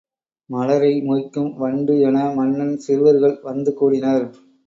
மலரை மொய்க்கும் வண்டு என மன்னன் சிறுவர்கள் வந்து கூடினர்.